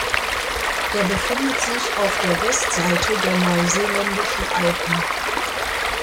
Er befindet sich auf der Westseite der Neuseeländischen Alpen.